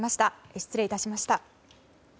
失礼致しました。